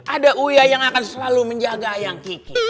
ada uya yang akan selalu menjaga yang kiki